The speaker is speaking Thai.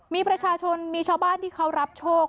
มีประชาชนมีชาวบ้านที่เขารับโชค